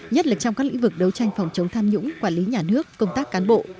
nhất là trong các lĩnh vực đấu tranh phòng chống tham nhũng quản lý nhà nước công tác cán bộ